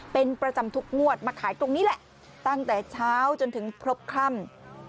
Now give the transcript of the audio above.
เป็นประจำทุกงวดมาขายตรงนี้แหละตั้งแต่เช้าจนถึงครบค่ำ